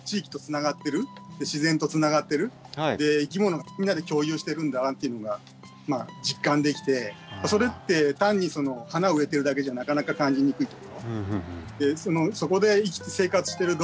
自分の家のいきものみんなで共有してるんだなっていうのがまあ実感できてそれって単に花植えてるだけじゃなかなか感じにくいと。